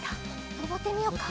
のぼってみようか。